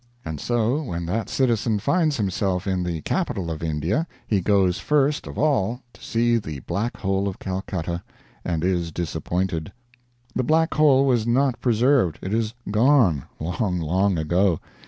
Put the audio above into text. And so, when that citizen finds himself in the capital of India he goes first of all to see the Black Hole of Calcutta and is disappointed. The Black Hole was not preserved; it is gone, long, long ago.